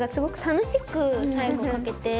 楽しく最後かけて。